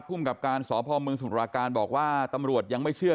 คือมันก็มีเรื่องเหมือนกันแหละแต่ว่าคือ